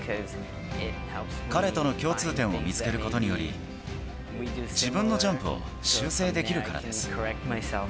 彼との共通点を見つけることにより、自分のジャンプを修正できるからです。